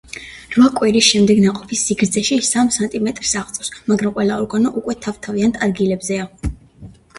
რვა კვირის შემდეგ ნაყოფი სიგრძეში სამ სანტიმეტრს აღწევს, მაგრამ ყველა ორგანო უკვე თავ-თავიანთ ადგილებზეა.